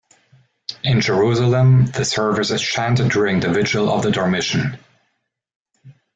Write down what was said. In Jerusalem, the service is chanted during the Vigil of the Dormition.